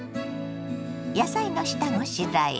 野菜の下ごしらえ。